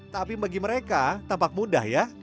tapi bagi mereka tampak mudah ya